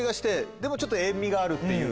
でもちょっと塩味があるっていう。